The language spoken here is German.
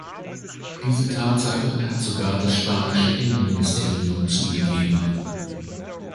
Diese Tatsache hat sogar das spanische Innenministerium zugegeben.